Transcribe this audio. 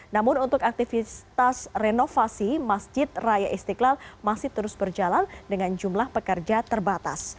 namun untuk aktivitas renovasi masjid raya istiqlal masih terus berjalan dengan jumlah pekerja terbatas